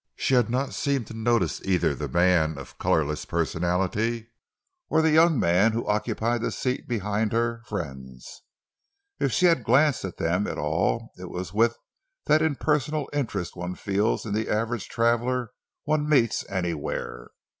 She had not seemed to notice either the man of colorless personality or the young man who occupied the seat behind her friends. If she had glanced at them at all it was with that impersonal interest one feels in the average traveler one meets anywhere.